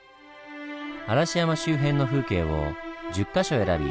嵐山周辺の風景を１０か所選び